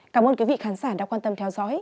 cảm ơn quý vị khán giả đã quan tâm theo dõi